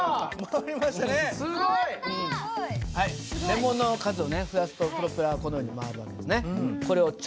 レモンの数を増やすとプロペラはこのように回る訳ですね。